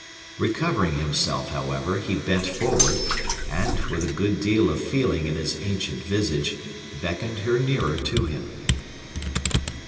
Recovering himself, however, he bent forward, and, with a good deal of feeling in his ancient visage, beckoned her nearer to him.